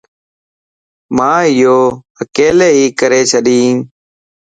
مان ايو اڪيلي ھي ڪري ڇڏين